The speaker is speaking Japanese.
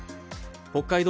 北海道